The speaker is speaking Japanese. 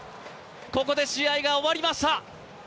ここで試合が終わりました。